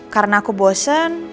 karena aku bosen